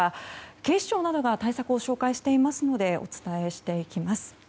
警視庁などが対策を紹介していますのでお伝えしていきます。